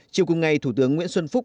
chiều cùng ngày thủ tướng nguyễn xuân phúc